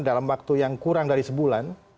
dalam waktu yang kurang dari sebulan